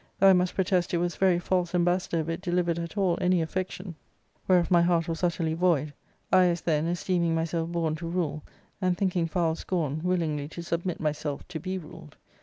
Though I must protest it was 4a very false embassador if it delivered at all any affection, whereof my heart was utterly void, I as then esteeming myself born to rule, and thinking foul scorn willingly to submit myself to be ruled.